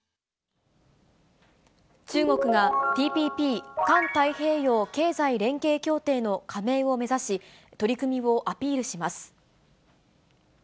中国が、ＴＰＰ・環太平洋経済連携協定の加盟を目指し、取り組みをアピールします。